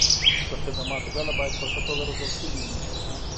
د خدماتو ډله باید په ښه توګه روزل شوې وي.